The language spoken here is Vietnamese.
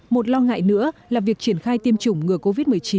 một lo ngại nữa là việc triển khai tiêm chủng ngừa covid một mươi chín